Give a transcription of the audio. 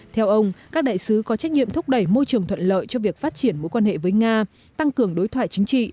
theo ông các đại sứ có trách nhiệm thúc đẩy môi trường thuận lợi cho việc phát triển mối quan hệ với nga tăng cường đối thoại chính trị